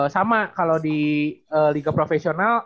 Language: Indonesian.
sama kalau di liga profesional